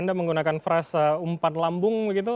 anda menggunakan frasa umpan lambung begitu